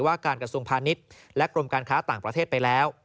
ว่าการกระทรวงพาณิชย์และกรมการค้าต่างประเทศไปแล้ว